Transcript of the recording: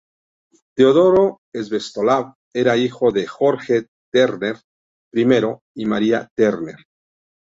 Teodoro Svetoslav era hijo de Jorge Terter I y María Terter.